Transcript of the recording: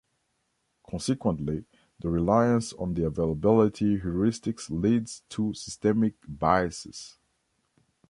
Consequently, the reliance on the availability heuristic leads to systematic biases.